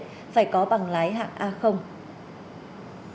phải có bằng lái hạng a